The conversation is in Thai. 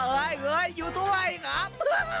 เฮ้ยอยู่ทุกวันไหนครับ